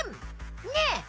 ねえ！